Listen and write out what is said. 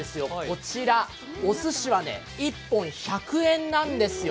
こちら、おすしは１本１００円なんですよ。